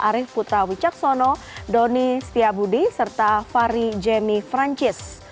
arief putrawi caksono doni setiabudi serta fari jemi francis